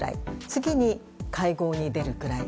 次に、会合に出るくらい。